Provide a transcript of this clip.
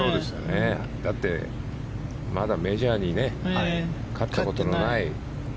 だって、まだメジャーに勝ったことのない。